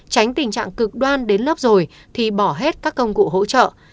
tránh tình trạng cực đoan đến lớp rồi thì bỏ hết các công cụ hỗ trợ